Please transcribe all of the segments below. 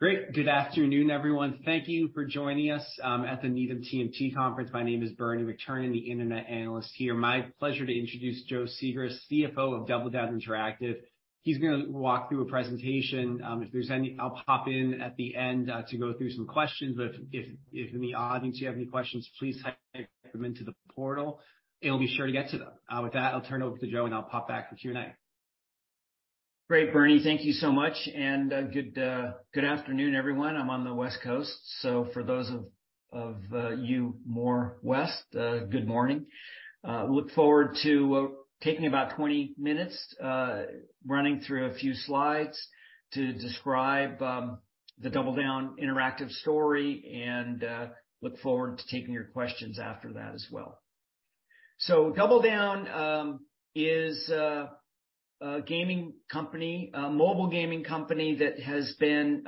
Great. Good afternoon, everyone. Thank you for joining us at the Needham TMT Conference. My name is Bernie McTernan, the internet analyst here. My pleasure to introduce Joe Sigrist, CFO of DoubleDown Interactive. He's gonna walk through a presentation. If there's any I'll pop in at the end to go through some questions. If in the audience you have any questions, please type them into the portal and we'll be sure to get to them. With that, I'll turn it over to Joe, I'll pop back for Q&A. Great, Bernie. Thank you so much. Good afternoon, everyone. I'm on the West Coast, for those of you more west, good morning. Look forward to taking about 20 minutes running through a few slides to describe the DoubleDown Interactive story and look forward to taking your questions after that as well. DoubleDown is a gaming company, a mobile gaming company that has been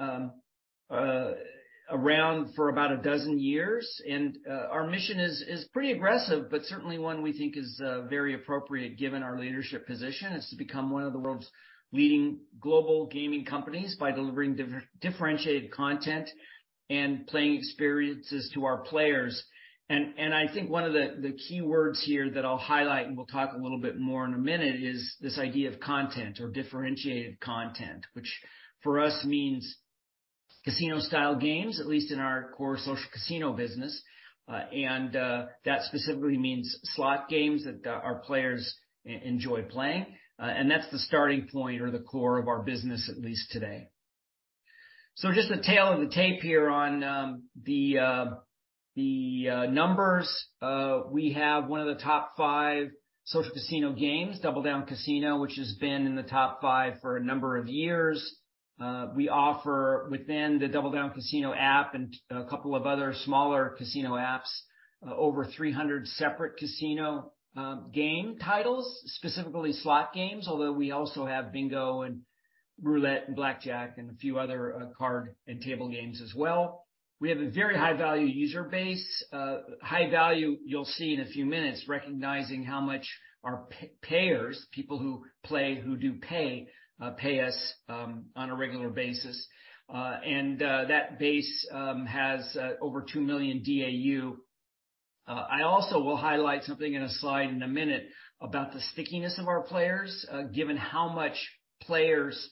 around for about 12 years. Our mission is pretty aggressive, but certainly one we think is very appropriate given our leadership position. It's to become one of the world's leading global gaming companies by delivering differentiated content and playing experiences to our players. I think one of the key words here that I'll highlight, and we'll talk a little bit more in a minute, is this idea of content or differentiated content. Which for us means casino-style games, at least in our core social casino business. And that specifically means slot games that our players enjoy playing. That's the starting point or the core of our business, at least today. Just the tale of the tape here on the numbers. We have one of the top five social casino games, DoubleDown Casino, which has been in the top five for a number of years. We offer within the DoubleDown Casino app and a couple of other smaller casino apps, over 300 separate casino game titles, specifically slot games, although we also have bingo and roulette and blackjack and a few other card and table games as well. We have a very high-value user base. High value you'll see in a few minutes, recognizing how much our payers, people who play, who do pay us on a regular basis. That base has over 2 million DAU. I also will highlight something in a slide in a minute about the stickiness of our players, given how much players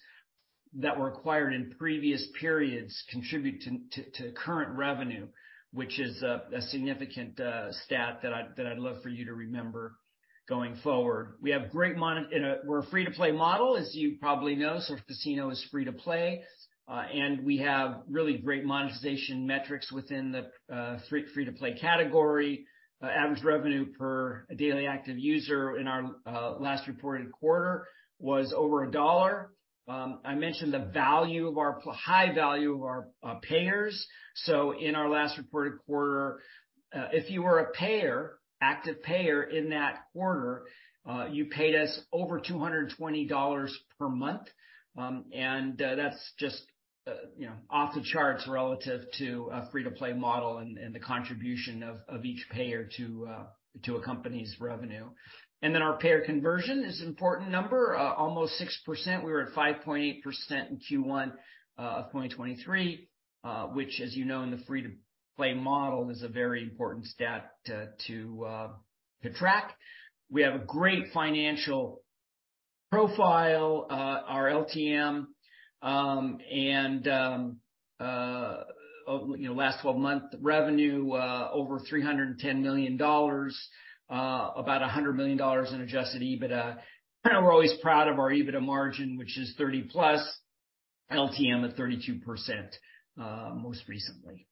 that were acquired in previous periods contribute to current revenue, which is a significant stat that I'd love for you to remember going forward. We're a free-to-play model. As you probably know, social casino is free to play. We have really great monetization metrics within the free-to-play category. Average revenue per daily active user in our last reported quarter was over $1. I mentioned the high value of our payers. In our last reported quarter, if you were an active payer in that quarter, you paid us over $220 per month. That's just, you know, off the charts relative to a free-to-play model and the contribution of each payer to a company's revenue. Our payer conversion is an important number, almost 6%. We were at 5.8% in first quarter of 2023, which, as you know, in the free-to-play model is a very important stat to track. We have a great financial profile. Our LTM, you know, last 12-month revenue, over $310 million, about $100 million in adjusted EBITDA. We're always proud of our EBITDA margin, which is 30+ LTM at 32%, most recently.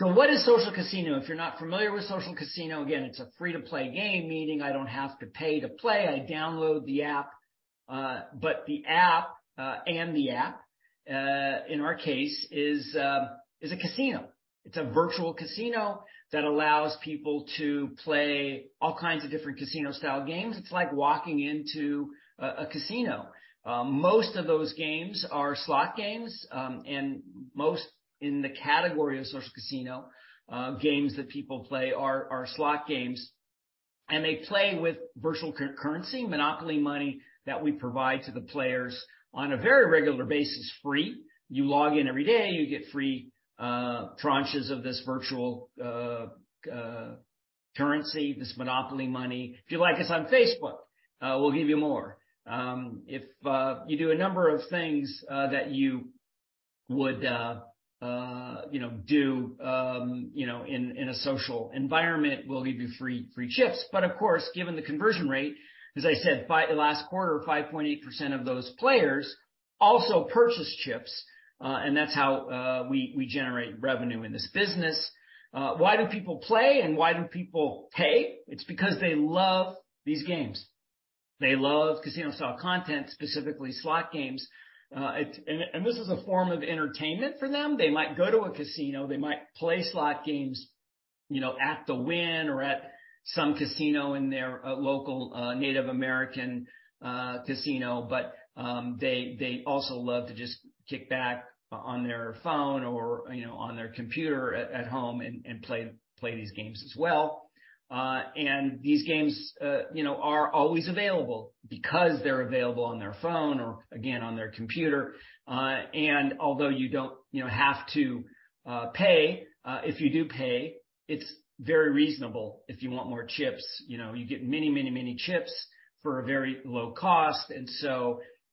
What is social casino? If you're not familiar with social casino, again, it's a free-to-play game, meaning I don't have to pay to play. I download the app. The app, and the app in our case is a casino. It's a virtual casino that allows people to play all kinds of different casino-style games. It's like walking into a casino. Most of those games are slot games, and most in the category of social casino games that people play are slot games. They play with virtual currency, monopoly money that we provide to the players on a very regular basis, free. You log in every day, you get free tranches of this virtual currency, this monopoly money. If you like us on Facebook, we'll give you more. If you do a number of things that you would, you know, do, you know, in a social environment, we'll give you free chips. Of course, given the conversion rate, as I said, last quarter, 5.8% of those players also purchased chips. And that's how we generate revenue in this business. Why do people play and why do people pay? It's because they love these games. They love casino-style content, specifically slot games. This is a form of entertainment for them. They might go to a casino. They might play slot games, you know, at the Wynn or at some casino in their local Native American casino. They also love to kick back on their phone or, you know, on their computer at home and play these games as well. These games, you know, are always available because they're available on their phone or again, on their computer. Although you don't, you know, have to pay, if you do pay, it's very reasonable if you want more chips. You know, you get many, many, many chips for a very low cost.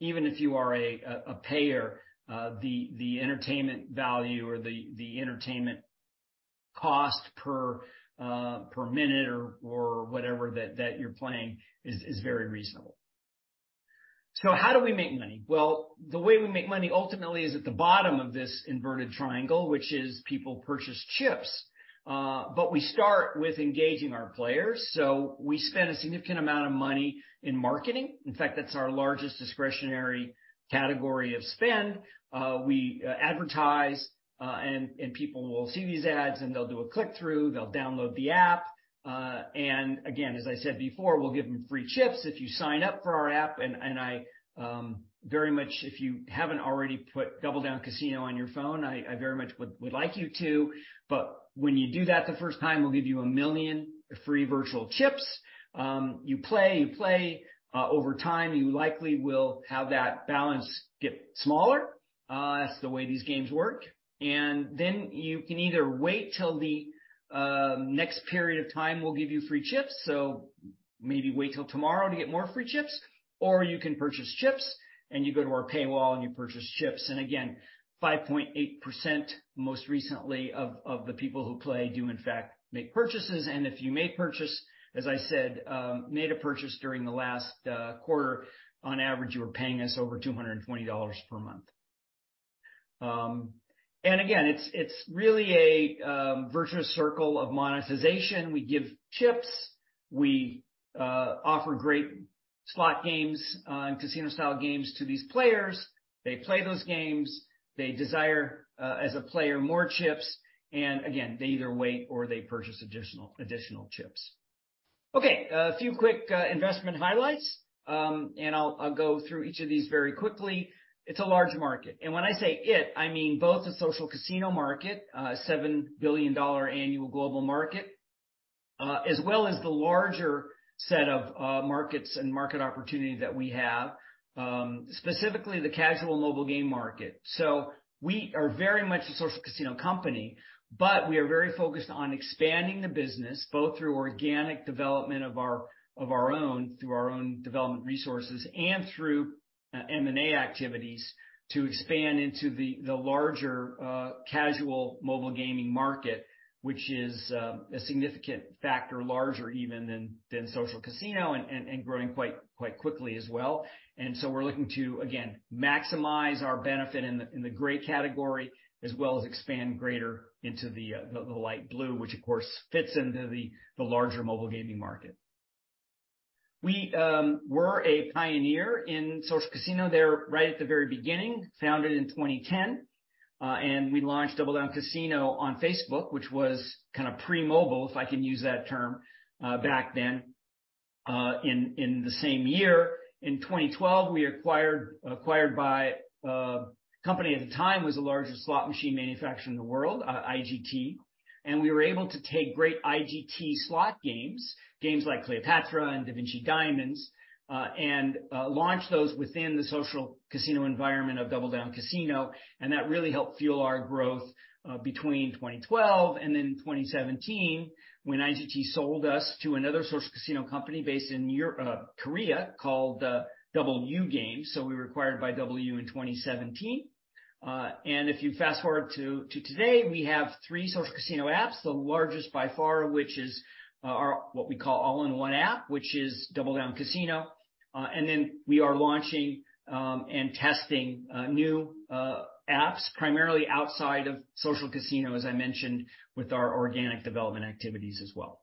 Even if you are a payer, the entertainment value or the entertainment cost per minute or whatever that you're playing is very reasonable. How do we make money? Well, the way we make money ultimately is at the bottom of this inverted triangle, which is people purchase chips. We start with engaging our players. We spend a significant amount of money in marketing. In fact, that's our largest discretionary category of spend. We advertise, and people will see these ads, and they'll do a click-through, they'll download the app. Again, as I said before, we'll give them free chips if you sign up for our app. And I very much if you haven't already put DoubleDown Casino on your phone, I very much would like you to. When you do that the first time, we'll give you 1 million free virtual chips. You play over time, you likely will have that balance get smaller. That's the way these games work. Then you can either wait till the next period of time, we'll give you free chips. Maybe wait till tomorrow to get more free chips, or you can purchase chips, and you go to our paywall, and you purchase chips. Again, 5.8% most recently of the people who play do in fact make purchases. If you make purchase, as I said, made a purchase during the last quarter, on average, you were paying us over $220 per month. Again, it's really a virtuous circle of monetization. We give chips. We offer great slot games and casino-style games to these players. They play those games. They desire, as a player, more chips. Again, they either wait or they purchase additional chips. Okay, a few quick investment highlights, I'll go through each of these very quickly. It's a large market. When I say it, I mean both the social casino market, $7 billion annual global market, as well as the larger set of markets and market opportunity that we have, specifically the casual mobile game market. We are very much a social casino company, but we are very focused on expanding the business both through organic development of our own, through our own development resources and through M&A activities to expand into the larger casual mobile gaming market, which is a significant factor, larger even than social casino and growing quite quickly as well. We're looking to, again, maximize our benefit in the gray category, as well as expand greater into the light blue, which of course fits into the larger mobile gaming market. We were a pioneer in social casino there right at the very beginning, founded in twenty ten. We launched DoubleDown Casino on Facebook, which was kind of pre-mobile, if I can use that term, back then, in the same year. In 2012, we acquired by a company at the time was the largest slot machine manufacturer in the world, IGT, and we were able to take great IGT slot games like Cleopatra and Da Vinci Diamonds, and launch those within the social casino environment of DoubleDown Casino. That really helped fuel our growth between 2012 and then 2017, when IGT sold us to another social casino company based in Korea called DoubleU Games. We were acquired by DoubleU in 2017. If you fast-forward to today, we have three social casino apps, the largest by far, which is our what we call all-in-one app, which is DoubleDown Casino. Then we are launching and testing new apps primarily outside of social casino, as I mentioned, with our organic development activities as well.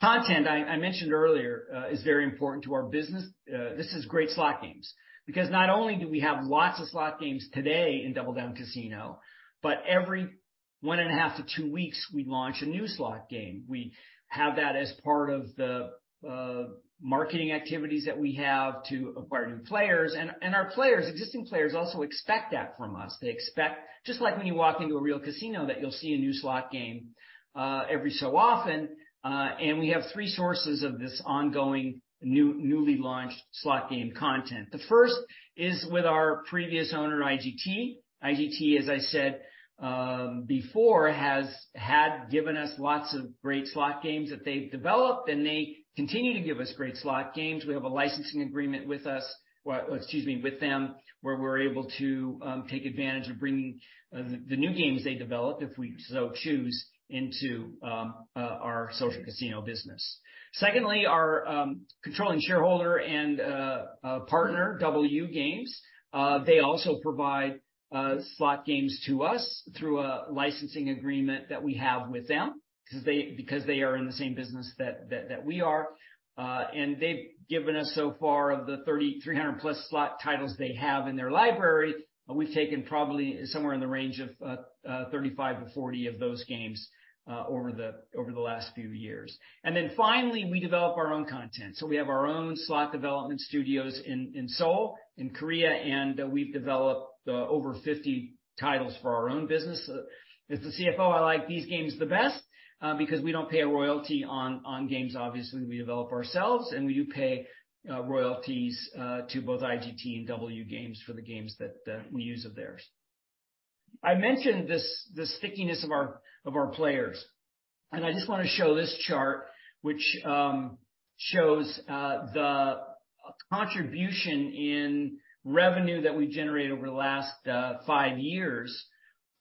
Content, I mentioned earlier, is very important to our business. This is great slot games because not only do we have lots of slot games today in DoubleDown Casino, but every 1.5 to two weeks, we launch a new slot game. We have that as part of the marketing activities that we have to acquire new players. Our players, existing players also expect that from us. They expect, just like when you walk into a real casino, that you'll see a new slot game, every so often. We have three sources of this ongoing new, newly launched slot game content. The first is with our previous owner, IGT. IGT, as I said, before, had given us lots of great slot games that they've developed, and they continue to give us great slot games. We have a licensing agreement with us, well, excuse me, with them, where we're able to take advantage of bringing the new games they develop, if we so choose, into our social casino business. Secondly, our controlling shareholder and partner, DoubleU Games, they also provide slot games to us through a licensing agreement that we have with them because they are in the same business that we are. They've given us so far of the 3,300-plus slot titles they have in their library, we've taken probably somewhere in the range of 35 to 40 of those games over the last few years. Finally, we develop our own content. We have our own slot development studios in Seoul, in Korea, and we've developed over 50 titles for our own business. As the CFO, I like these games the best because we don't pay a royalty on games obviously we develop ourselves, and we do pay royalties to both IGT and DoubleU Games for the games that we use of theirs. I mentioned the stickiness of our players. I just want to show this chart, which shows the contribution in revenue that we generated over the last five years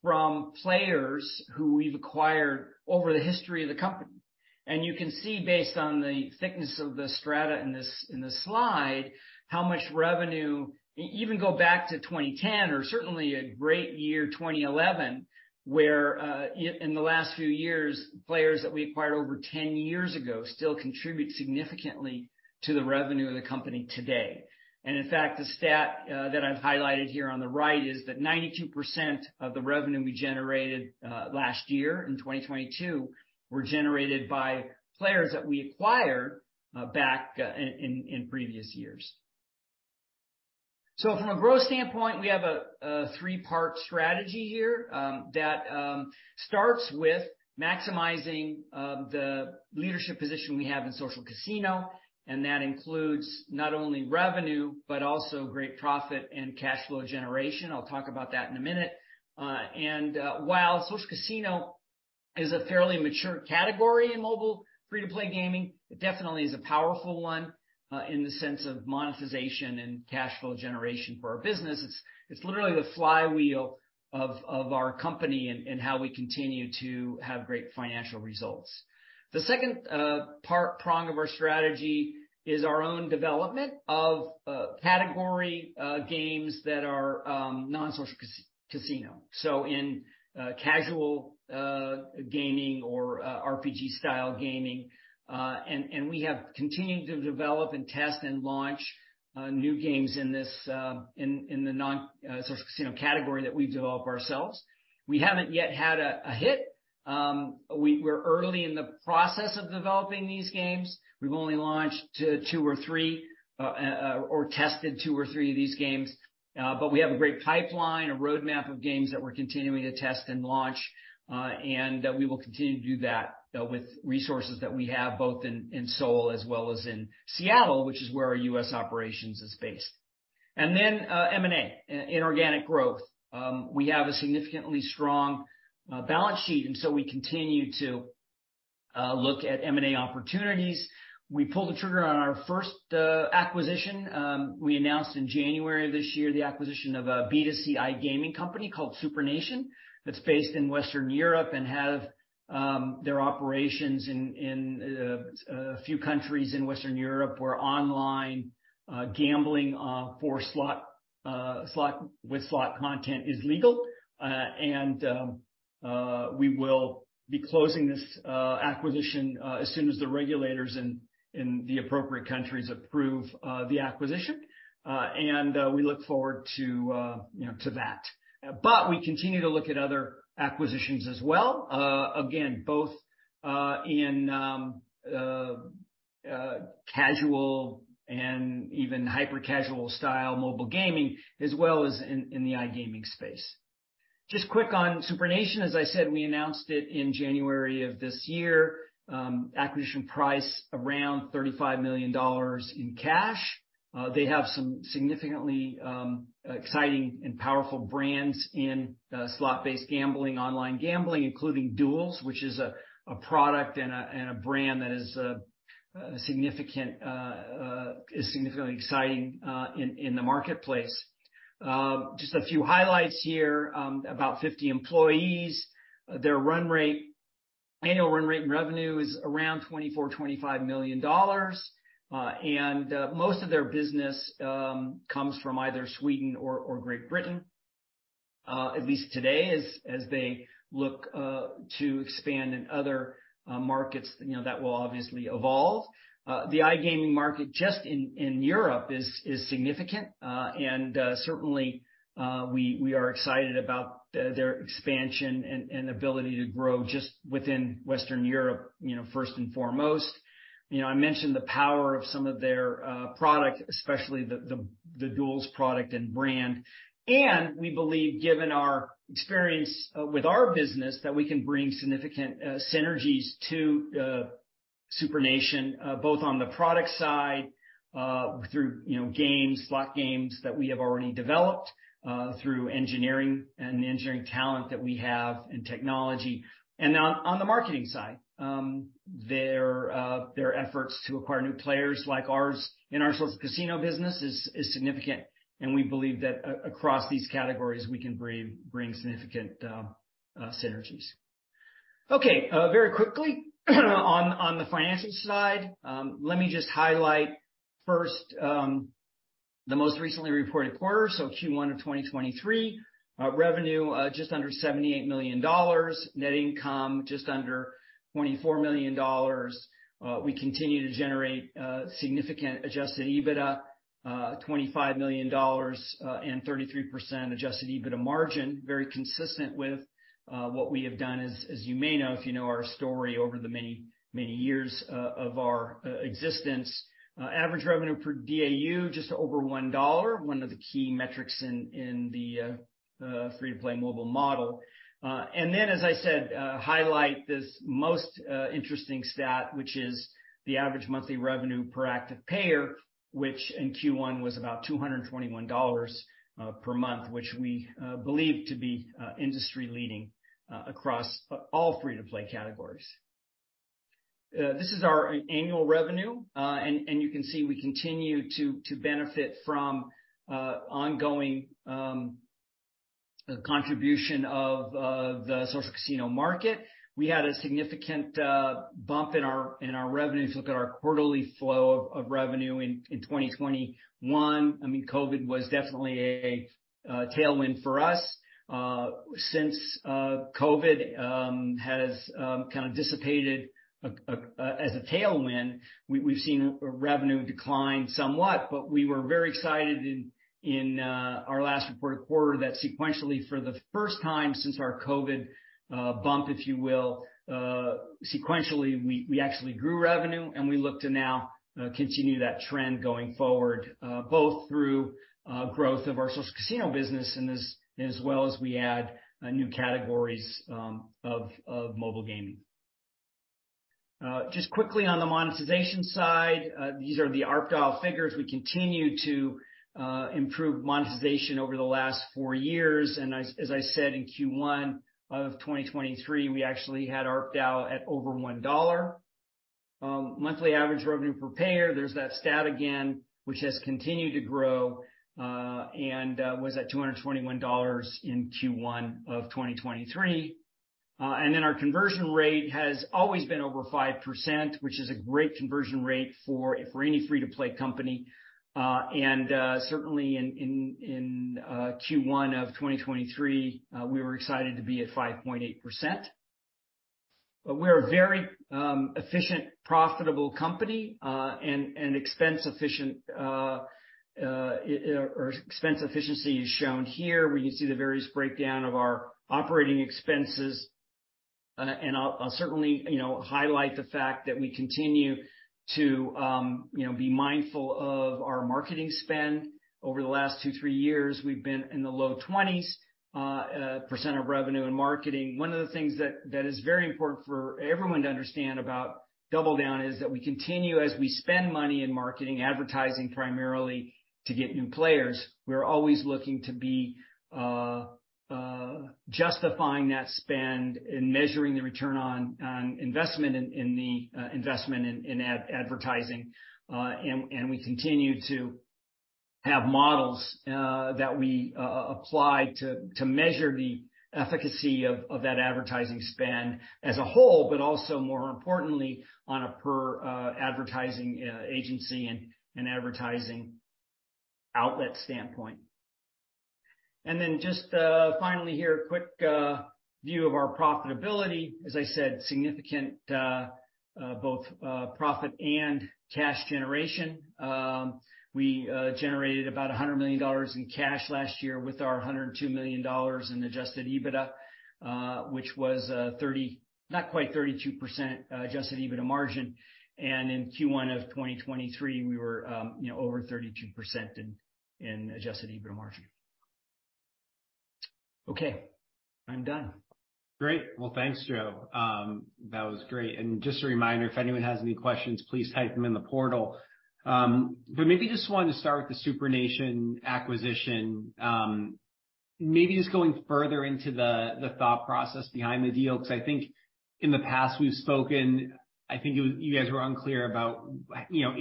from players who we've acquired over the history of the company. You can see based on the thickness of the strata in this slide, how much revenue even go back to 2010 or certainly a great year, 2011, where in the last few years, players that we acquired over 10 years ago still contribute significantly to the revenue of the company today. In fact, the stat that I've highlighted here on the right is that 92% of the revenue we generated last year in 2022 were generated by players that we acquired back in previous years. From a growth standpoint, we have a three-part strategy here, that starts with maximizing the leadership position we have in social casino, and that includes not only revenue, but also great profit and cash flow generation. I'll talk about that in a minute. While social casino is a fairly mature category in mobile free-to-play gaming, it definitely is a powerful one, in the sense of monetization and cash flow generation for our business. It's literally the flywheel of our company and how we continue to have great financial results. The second prong of our strategy is our own development of category games that are non-social casino. In casual gaming or RPG style gaming. We have continued to develop and test and launch new games in this in the non social casino category that we've developed ourselves. We haven't yet had a hit. We're early in the process of developing these games. We've only launched to two or three or tested two or three of these games, but we have a great pipeline, a roadmap of games that we're continuing to test and launch, and that we will continue to do that with resources that we have both in Seoul as well as in Seattle, which is where our US operations is based. M&A, inorganic growth. We have a significantly strong balance sheet, and so we continue to look at M&A opportunities. We pulled the trigger on our first acquisition. We announced in January of this year the acquisition of a B2C iGaming company called SuprNation, that's based in Western Europe and have their operations in a few countries in Western Europe where online gambling for with slot content is legal. We will be closing this acquisition as soon as the regulators in the appropriate countries approve the acquisition. We look forward to, you know, to that. We continue to look at other acquisitions as well, again, both in casual and even hyper-casual style mobile gaming, as well as in the iGaming space. Just quick on SuprNation, as I said, we announced it in January of this year. Acquisition price around $35 million in cash. They have some significantly exciting and powerful brands in slot-based gambling, online gambling, including Duelz, which is a product and a brand that is significantly exciting in the marketplace. Just a few highlights here. About 50 employees. Their annual run rate in revenue is around $24 to 25 million. Most of their business comes from either Sweden or Great Britain, at least today as they look to expand in other markets. You know, that will obviously evolve. The iGaming market just in Europe is significant. Certainly, we are excited about the, their expansion and ability to grow just within Western Europe, you know, first and foremost. You know, I mentioned the power of some of their product, especially the Duelz product and brand. We believe, given our experience with our business, that we can bring significant synergies to SuprNation, both on the product side, through, you know, games, slot games that we have already developed, through engineering and the engineering talent that we have in technology. On the marketing side, their efforts to acquire new players like ours in our social casino business is significant. We believe that across these categories, we can bring significant synergies. Okay, very quickly on the financial side, let me just highlight first the most recently reported quarter, so first quarter of 2023. Revenue, just under $78 million. Net income, just under $24 million. We continue to generate significant adjusted EBITDA, $25 million, and 33% adjusted EBITDA margin, very consistent with what we have done, as you may know, if you know our story over the many, many years of our existence. Average revenue per DAU, just over $1, one of the key metrics in the free-to-play mobile model. Then, as I said, highlight this most interesting stat, which is the average monthly revenue per active payer, which in first quarter was about $221 per month, which we believe to be industry-leading across all free-to-play categories. This is our annual revenue. You can see we continue to benefit from ongoing contribution of the social casino market. We had a significant bump in our revenues. Look at our quarterly flow of revenue in 2021. I mean, COVID was definitely a tailwind for us. Since COVID has kind of dissipated as a tailwind we've seen a revenue decline somewhat, but we were very excited in our last reported quarter that sequentially, for the first time since our COVID bump, if you will, sequentially, we actually grew revenue. We look to now continue that trend going forward both through growth of our social casino business and as well as we add new categories of mobile gaming. Just quickly on the monetization side, these are the ARPDAU figures. We continue to improve monetization over the last four years. As I said, in first quarter of 2023, we actually had ARPDAU at over $1. Monthly average revenue per payer, there's that stat again, which has continued to grow, and was at $221 in first quarter of 2023. Our conversion rate has always been over 5%, which is a great conversion rate for any free-to-play company. Certainly in first quarter of 2023, we were excited to be at 5.8%. We're a very efficient, profitable company. Expense efficient, or expense efficiency is shown here, where you can see the various breakdown of our operating expenses. I'll certainly, you know, highlight the fact that we continue to, you know, be mindful of our marketing spend. Over the last two, three years, we've been in the low 20s % of revenue and marketing. One of the things that is very important for everyone to understand about DoubleDown is that we continue as we spend money in marketing, advertising primarily to get new players. We're always looking to be justifying that spend and measuring the return on investment in the investment in advertising. We continue to have models that we apply to measure the efficacy of that advertising spend as a whole, but also more importantly on a per advertising agency and advertising outlet standpoint. Just finally here, quick view of our profitability. As I said, significant both profit and cash generation. We generated about $100 million in cash last year with our $102 million in adjusted EBITDA, which was not quite 32% adjusted EBITDA margin. In first quarter of 2023, we were over 32% in adjusted EBITDA margin. Okay, I'm done. Great. Well, thanks, Joe. That was great. Just a reminder, if anyone has any questions, please type them in the portal. Maybe just wanted to start with the SuprNation acquisition. Maybe just going further into the thought process behind the deal, because I think in the past we've spoken, I think it was you guys were unclear about, you know,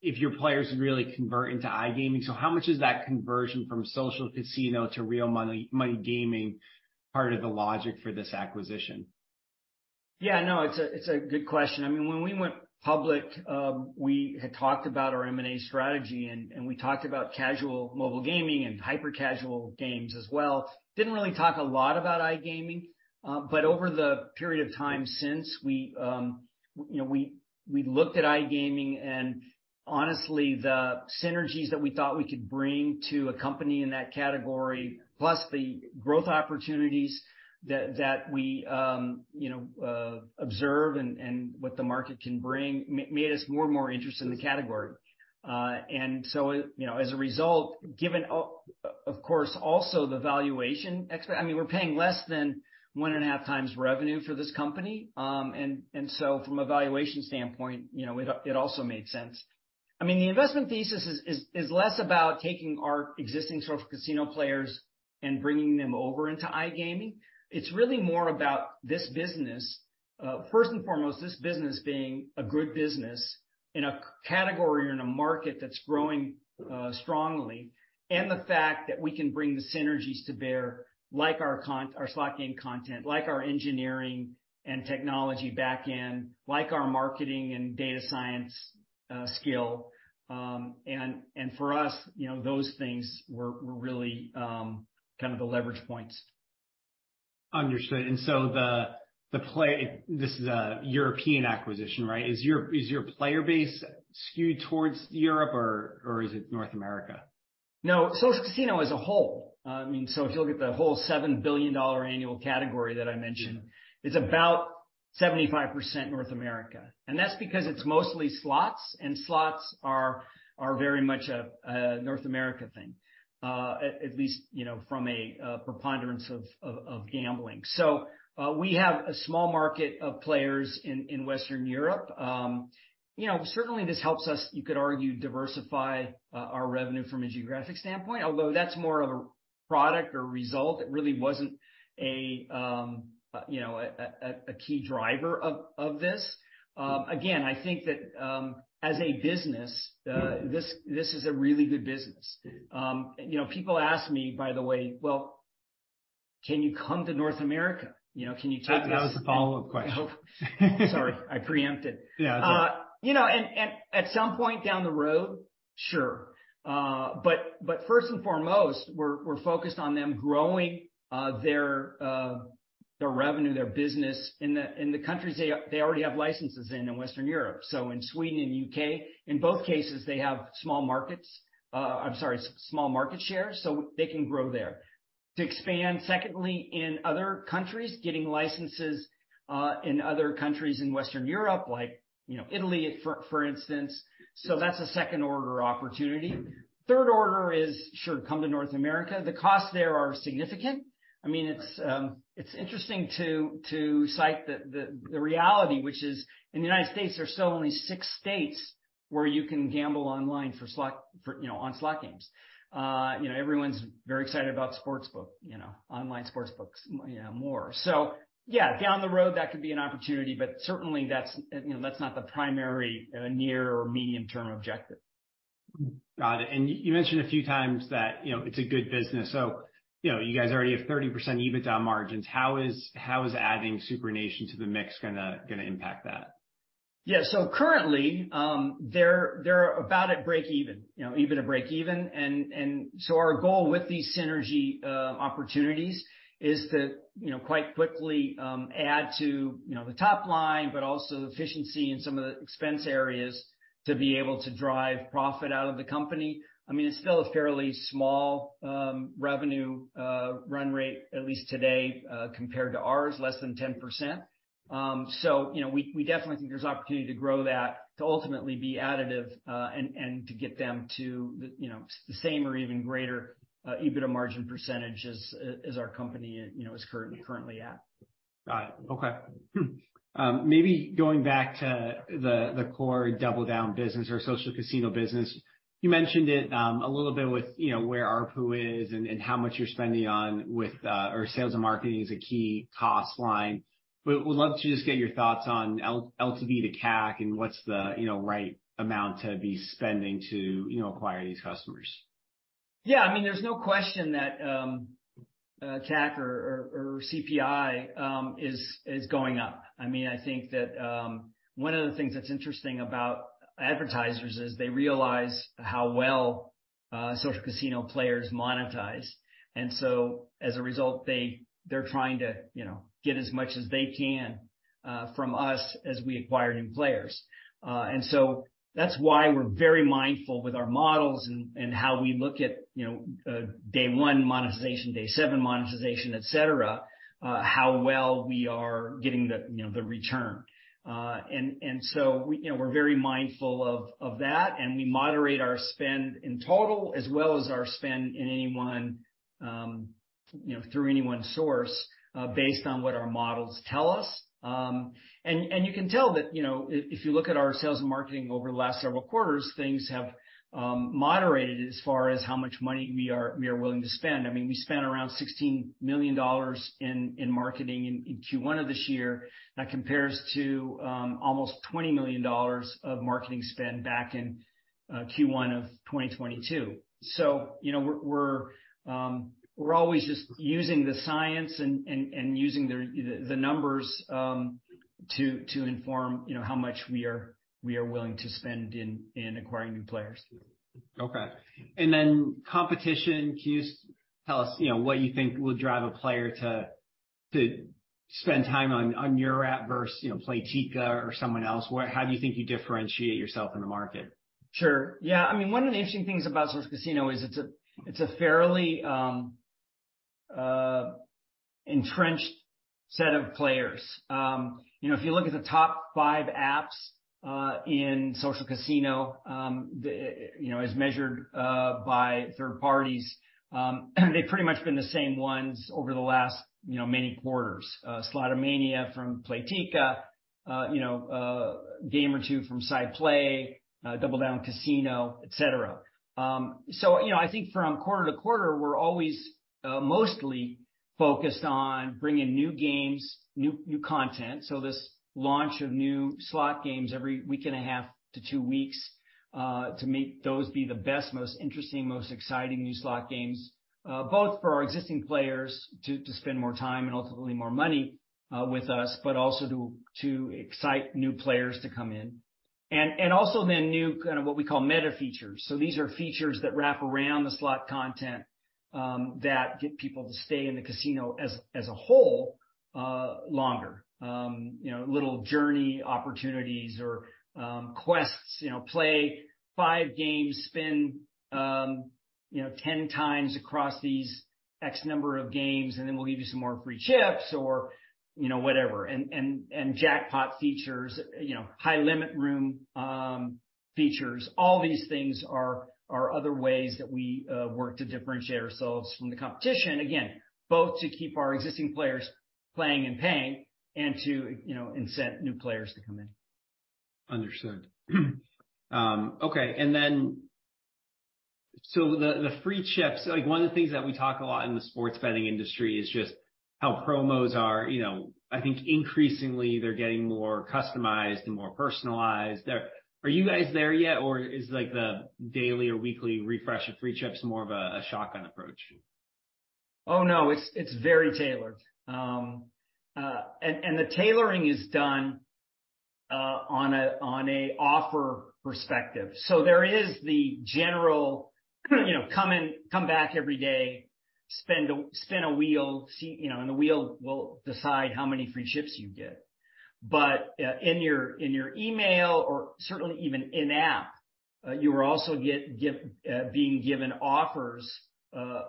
if your players really convert into iGaming. So how much is that conversion from social casino to real money gaming part of the logic for this acquisition? Yeah, no, it's a good question. I mean, when we went public, we had talked about our M&A strategy, and we talked about casual mobile gaming and hyper-casual games as well. Didn't really talk a lot about iGaming. Over the period of time since we, you know, we looked at iGaming and honestly, the synergies that we thought we could bring to a company in that category, plus the growth opportunities that we, you know, observe and what the market can bring, made us more and more interested in the category. You know, as a result, given of course also the valuation, I mean, we're paying less than one and a half times revenue for this company. From a valuation standpoint, you know, it also made sense. I mean, the investment thesis is less about taking our existing social casino players and bringing them over into iGaming. It's really more about this business. First and foremost, this business being a good business in a category or in a market that's growing strongly. The fact that we can bring the synergies to bear, like our slot game content, like our engineering and technology back-end, like our marketing and data science skill. For us, you know, those things were really kind of the leverage points. Understood. This is a European acquisition, right? Is your player base skewed towards Europe or is it North America? No. Social casino as a whole. I mean, if you look at the whole $7 billion annual category that I mentioned. Yeah. Is about 75% North America, That's because it's mostly slots, and slots are very much a North America thing. At least, you know, from a preponderance of gambling. We have a small market of players in Western Europe. You know, certainly this helps us, you could argue, diversify our revenue from a geographic standpoint, although that's more of a product or result. It really wasn't a, you know, a key driver of this. Again, I think that, as a business, this is a really good business. You know, people ask me, by the way, "Well, can you come to North America?" You know, "Can you take us...? That was the follow-up question. Sorry, I preempted. Yeah. You know, at some point down the road, sure. First and foremost, we're focused on them growing, their revenue, their business in the, in the countries they already have licenses in in Western Europe. In Sweden and UK, in both cases, they have small markets, I'm sorry, small market share, so they can grow there. To expand, secondly, in other countries, getting licenses, in other countries in Western Europe, like, you know, Italy for instance. That's a second-order opportunity. Third order is, sure, come to North America. The costs there are significant. I mean, it's interesting to cite the, the reality, which is, in the United States, there's still only six states where you can gamble online for slot, for, you know, on slot games. You know, everyone's very excited about sportsbook, you know, online sportsbooks more. Yeah, down the road, that could be an opportunity, but certainly that's, you know, that's not the primary near or medium-term objective. Got it. You mentioned a few times that, you know, it's a good business, so, you know, you guys already have 30% EBITDA margins. How is adding SuprNation to the mix gonna impact that? Yeah. Currently, they're about at break even, you know, EBITDA break even. Our goal with these synergy opportunities is to, you know, quite quickly add to, you know, the top line, but also efficiency in some of the expense areas to be able to drive profit out of the company. I mean, it's still a fairly small revenue run rate, at least today, compared to ours, less than 10%. You know, we definitely think there's opportunity to grow that to ultimately be additive and to get them to the, you know, the same or even greater EBITDA margin percentage as our company, you know, is currently at. Got it. Okay. maybe going back to the core DoubleDown business or social casino business. You mentioned it, a little bit with, you know, where ARPU is and how much you're spending on with, or sales and marketing as a key cost line. Would love to just get your thoughts on LTV to CAC and what's the, you know, right amount to be spending to, you know, acquire these customers. I mean, there's no question that CAC or CPI is going up. I mean, I think that one of the things that's interesting about advertisers is they realize how well social casino players monetize. As a result, they're trying to, you know, get as much as they can from us as we acquire new players. That's why we're very mindful with our models and how we look at, you know, day one monetization, day seven monetization, et cetera, how well we are getting the, you know, the return. We, you know, we're very mindful of that, and we moderate our spend in total as well as our spend in any one, you know, through any one source, based on what our models tell us. You can tell that, you know, if you look at our sales and marketing over the last several quarters, things have moderated as far as how much money we are willing to spend. I mean, we spent around $16 million in marketing in first quarter of this year. That compares to almost $20 million of marketing spend back in first quarter of 2022. You know, we're always just using the science and using the numbers to inform, you know, how much we are willing to spend in acquiring new players. Okay. Competition. Can you tell us, you know, what you think will drive a player to spend time on your app versus, you know, Playtika or someone else? How do you think you differentiate yourself in the market? Sure, yeah. I mean, one of the interesting things about social casino is it's a, it's a fairly entrenched set of players. You know, if you look at the top five apps in social casino, the, you know, as measured by third parties, they've pretty much been the same ones over the last, you know, many quarters. Slotomania from Playtika, you know, Gamer II from SciPlay, DoubleDown Casino, et cetera. You know, I think from quarter to quarter, we're always mostly focused on bringing new games, new content. This launch of new slot games every 1/2 to two weeks, to make those be the best, most interesting, most exciting new slot games, both for our existing players to spend more time and ultimately more money with us, but also to excite new players to come in. Also then new kind of what we call meta features. These are features that wrap around the slot content, that get people to stay in the casino as a whole longer. You know, little journey opportunities or quests. You know, play five games, spend, you know, 10 times across these X number of games, and then we'll give you some more free chips or, you know, whatever. Jackpot features, you know, high limit room features. All these things are other ways that we work to differentiate ourselves from the competition, again, both to keep our existing players playing and paying and to, you know, incent new players to come in. Understood. Okay. The, the free chips, like one of the things that we talk a lot in the sports betting industry is just how promos are. You know, I think increasingly they're getting more customized and more personalized. Are you guys there yet or is like the daily or weekly refresh of free chips more of a shotgun approach? Oh, no. It's very tailored. And the tailoring is done on a offer perspective. So there is the general, you know, come back every day, spend a wheel, see, you know, and the wheel will decide how many free chips you get. In your email or certainly even in-app, you are also being given offers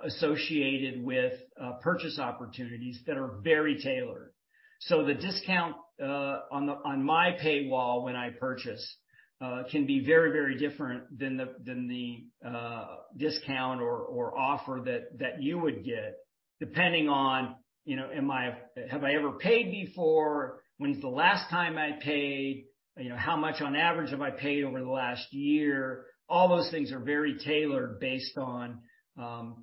associated with purchase opportunities that are very tailored. The discount on my paywall when I purchase can be very different than the discount or offer that you would get, depending on, you know, have I ever paid before? When's the last time I paid? You know, how much on average have I paid over the last year? All those things are very tailored based on,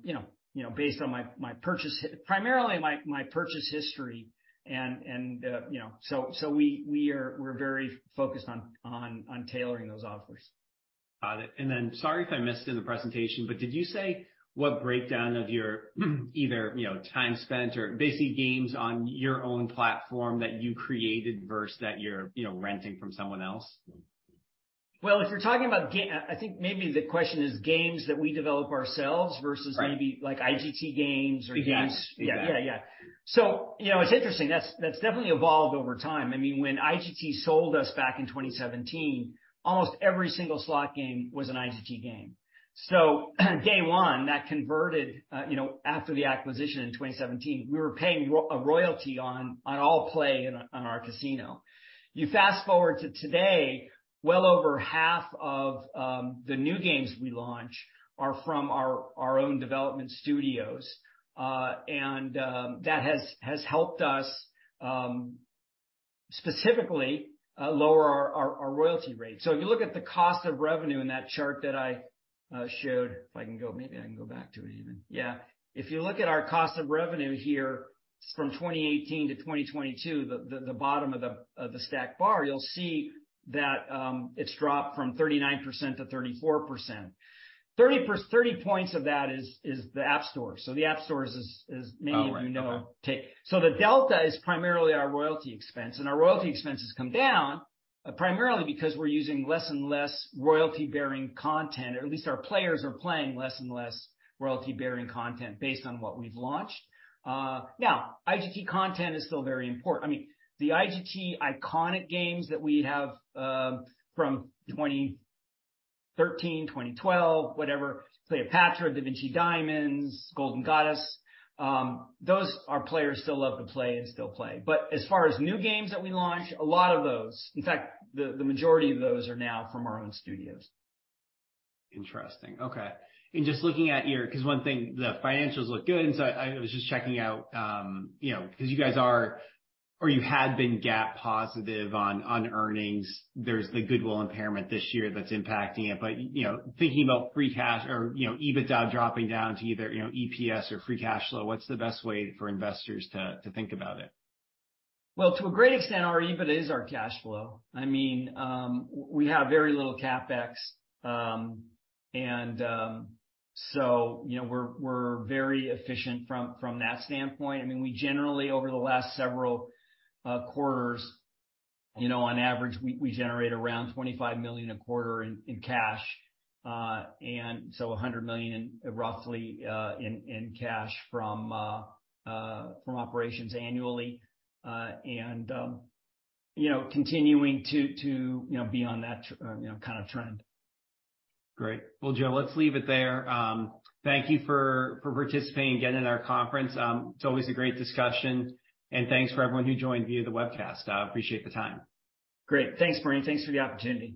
you know, based on primarily my purchase history. You know. We're very focused on tailoring those offers. Got it. Sorry if I missed it in the presentation, but did you say what breakdown of your either, you know, time spent or basically games on your own platform that you created versus that you're, you know, renting from someone else? Well, if you're talking about, I think maybe the question is games that we develop ourselves versus... Right. Maybe like IGT games or games... Exactly. Yeah. You know, it's interesting. That's definitely evolved over time. I mean, when IGT sold us back in 2017, almost every single slot game was an IGT game. Day one, that converted, you know, after the acquisition in 2017, we were paying a royalty on all play on our casino. You fast-forward to today, well over half of the new games we launch are from our own development studios. That has helped us specifically lower our royalty rate. If you look at the cost of revenue in that chart that I showed, if I can go back to it even. Yeah. If you look at our cost of revenue here from 2018 to 2022, the bottom of the stacked bar, you'll see that it's dropped from 39% to 34%. 30 points of that is the App Store. The App Store is as many... Oh, right. Okay. You know, take. The delta is primarily our royalty expense, and our royalty expense has come down, primarily because we're using less and less royalty-bearing content. At least our players are playing less and less royalty-bearing content based on what we've launched. IGT content is still very important. I mean, the IGT iconic games that we have, from 2013, 2012, whatever, Cleopatra, Da Vinci Diamonds, Golden Goddess, those our players still love to play and still play. As far as new games that we launch, a lot of those, in fact, the majority of those are now from our own studios. Interesting. Okay. Just looking at 'cause one thing, the financials look good, and so I was just checking out, you know, 'cause you guys are or you had been GAAP positive on earnings. There's the goodwill impairment this year that's impacting it. You know, thinking about free cash or, you know, EBITDA dropping down to either, you know, EPS or free cash flow, what's the best way for investors to think about it? Well, to a great extent, our EBIT is our cash flow. I mean, we have very little CapEx. You know, we're very efficient from that standpoint. I mean, we generally, over the last several quarters, you know, on average, we generate around $25 million a quarter in cash. Roughly $100 million in cash from operations annually. You know, continuing to, you know, be on that, you know, kind of trend. Great. Well, Joe, let's leave it there. Thank you for participating again in our conference. It's always a great discussion. Thanks for everyone who joined via the webcast. I appreciate the time. Great. Thanks, Bernie. Thanks for the opportunity.